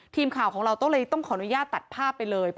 ทีมข่าวของเราก็เลยต้องขออนุญาตตัดภาพไปเลย